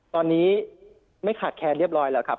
ตอนนี้ไม่ขาดแคลนเรียบร้อยแล้วครับ